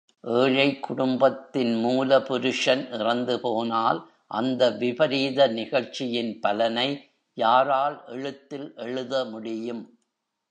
ஏழைக் குடும்பத்தின் மூலபுருஷன் இறந்துபோனால், அந்த விபரீத நிகழ்ச்சியின் பலனை யாரால் எழுத்தில் எழுதமுடியும்?